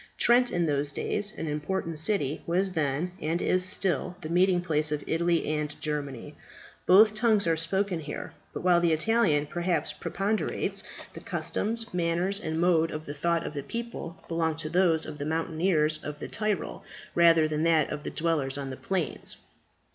Trent, in those days an important city, was then, and is still, the meeting place of Italy and Germany. Both tongues are here spoken; but while the Italian perhaps preponderates, the customs, manners, and mode of thought of the people belong to those of the mountaineers of the Tyrol, rather than of the dwellers on the plains.